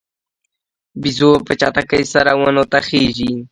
بیزو په چټکۍ سره ونو ته خیژي.